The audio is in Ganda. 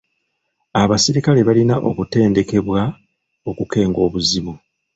Abaserikale balina okutendekebwa okukenga obuzibu.